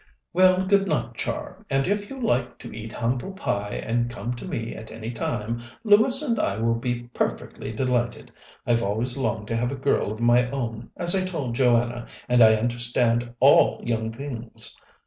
"Well, good night, Char, and if you like to eat humble pie and come to me at any time, Lewis and I will be perfectly delighted. I've always longed to have a girl of my own, as I told Joanna, and I understand all young things.